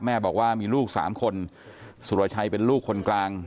แม่บอกว่ามีลูกสามคนสุรชัยเป็นลูกคนกลาง